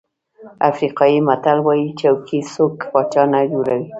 افریقایي متل وایي چوکۍ څوک پاچا نه جوړوي.